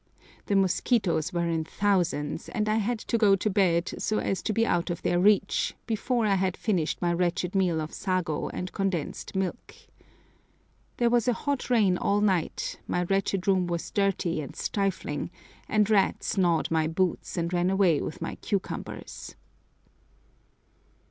The mosquitoes were in thousands, and I had to go to bed, so as to be out of their reach, before I had finished my wretched meal of sago and condensed milk. There was a hot rain all night, my wretched room was dirty and stifling, and rats gnawed my boots and ran away with my cucumbers.